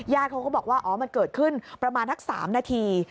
เขาก็บอกว่าอ๋อมันเกิดขึ้นประมาณสัก๓นาที